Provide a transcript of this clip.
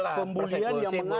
banyak sekali orang ditangkap